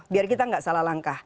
biar kita nggak salah langkah